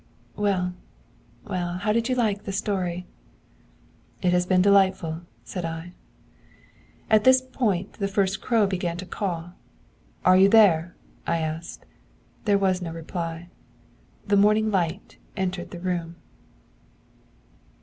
'Well, well, how did you like the story?' 'It has been delightful,' said I. At this point the first crow began to caw. 'Are you there?' I asked. There was no reply. The morning light entered the room.